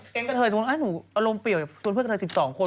กระเทยสมมุติหนูอารมณ์เปี่ยวกับตัวเพื่อนกระเทย๑๒คน